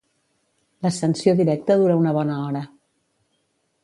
L'ascensió directa dura una bona hora.